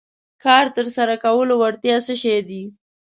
کار تر سره کولو وړتیا څه شی دی.